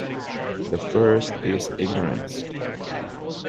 The first is ignorance.